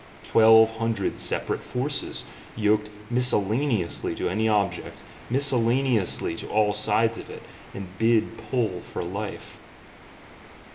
Twelve Hundred separate Forces, yoked miscellaneously to any object, miscellaneously to all sides of it; and bid pull for life!